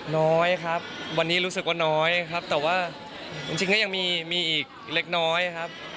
น้อยครับวันนี้รู้สึกว่าน้อยครับแต่ว่าจริงก็ยังมีอีกเล็กน้อยครับ